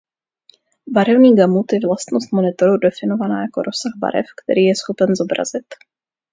Barevný gamut je vlastnost monitoru definovaná jako rozsah barev, který je schopen zobrazit.